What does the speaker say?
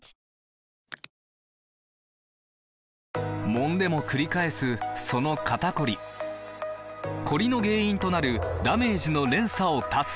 もんでもくり返すその肩こりコリの原因となるダメージの連鎖を断つ！